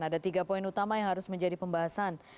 ada tiga poin utama yang harus menjadi pembahasan